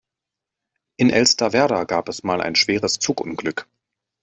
In Elsterwerda gab es mal ein schweres Zugunglück.